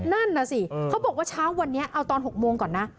นั่นน่ะสิเขาบอกว่าเช้าวันนี้เอาตอน๖โมงก่อนนะ